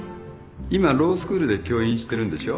今ロースクールで教員してるんでしょ？